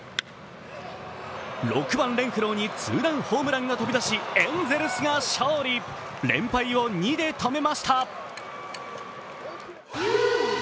６番・レンフローにツーランホームランが飛び出し、エンゼルスが勝利連敗を２で止めました。